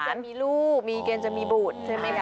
จะมีลูกมีเกณฑ์จะมีบุตรใช่ไหมคะ